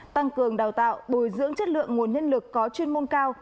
tăng cường đào tạo bồi dưỡng chất lượng nguồn nhân lực có chuyên môn cao